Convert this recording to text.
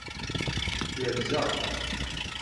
Gerrzeɣ.